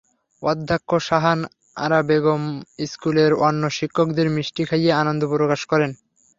অধ্যক্ষ শাহান আরা বেগম স্কুলের অন্য শিক্ষকদের মিষ্টি খাইয়ে আনন্দ প্রকাশ করেন।